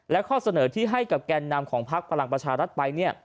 และข้อเสนอที่ให้กับแก่นำของพักพลังประชารัฐไป